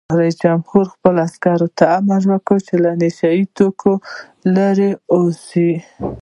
رئیس جمهور خپلو عسکرو ته امر وکړ؛ له نشه یي توکو لرې اوسئ!